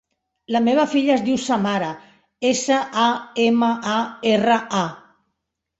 La meva filla es diu Samara: essa, a, ema, a, erra, a.